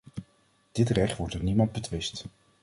Dit recht wordt door niemand betwist.